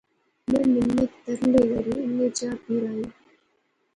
میں منت ترلے کری انیں چاء پیرائی